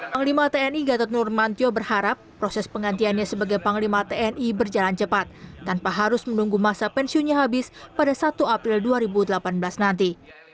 panglima tni gatot nurmantio berharap proses penggantiannya sebagai panglima tni berjalan cepat tanpa harus menunggu masa pensiunnya habis pada satu april dua ribu delapan belas nanti